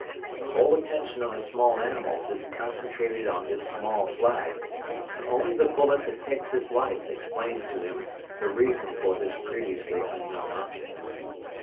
The whole attention of the small animals is concentrated on this small flag and only the bullet that takes his life explains to him the reason for this previously unknown object.